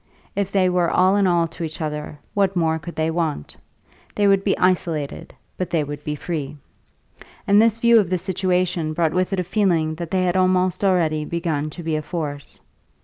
If they were all in all to each other, what more could they want? They would be isolated, but they would be free; and this view of the situation brought with it a feeling that they had almost already begun to be a force.